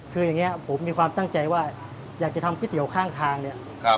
คืออย่างนี้ผมมีความตั้งใจว่าอยากจะทำก๋วยเตี๋ยวข้างทางเนี่ย